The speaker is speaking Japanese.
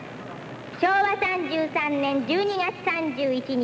昭和３３年１２月３１日。